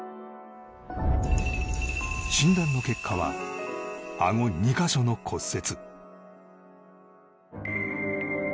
診断の結果はあご２か所の骨折。